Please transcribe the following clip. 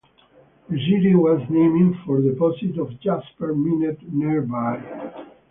The city was named for deposits of jasper mined nearby.